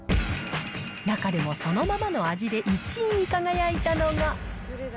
中でもそのままの味で１位に輝いたのが。